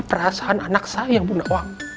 perasaan anak saya bunda wang